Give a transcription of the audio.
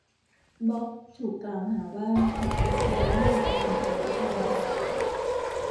บ๊อบถูกกล่าวหาว่าขับรถโดยไม่มีประกันภัยรถยนต์